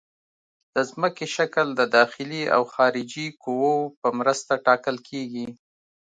د ځمکې شکل د داخلي او خارجي قوو په مرسته ټاکل کیږي